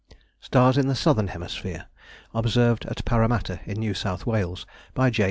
Stars in the Southern Hemisphere, observed at Paramatta, in New South Wales, by J.